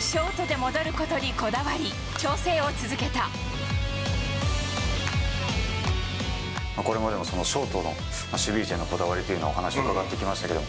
ショートで戻ることにこだわり、これまでもショートの守備位置へのこだわりというのを、お話、伺ってきましたけども。